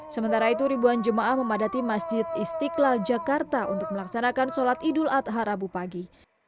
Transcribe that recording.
sementara itu ribuan jemaah memadati masjid istiqlal jakarta untuk melaksanakan sholat idul adha rabu pagi